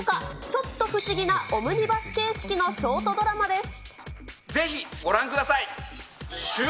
ちょっと不思議なオムニバス形式のショートドラマです。